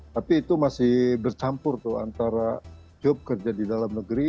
tapi itu masih bercampur tuh antara job kerja di dalam negeri